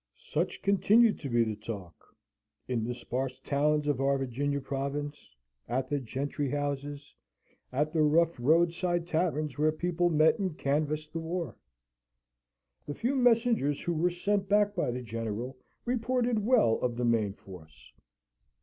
Such continued to be the talk, in the sparse towns of our Virginian province, at the gentry's houses, and the rough roadside taverns, where people met and canvassed the war. The few messengers who were sent back by the General reported well of the main force.